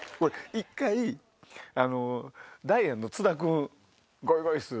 一回ダイアンの津田君ゴイゴイスー！